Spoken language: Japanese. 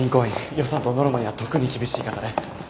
予算とノルマには特に厳しい方で。